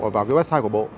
vào cái website của bộ